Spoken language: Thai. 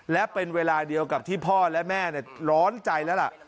และเป็นเวลาเดียวกับที่พ่อและแม่ร้อนใจแล้วล่ะ